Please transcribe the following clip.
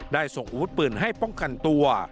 ส่งอาวุธปืนให้ป้องกันตัว